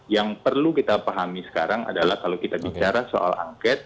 yang perlu kita pahami sekarang adalah kalau kita bicara soal angket